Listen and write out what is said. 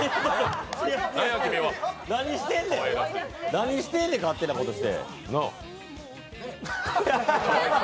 何してんねん、勝手なことして。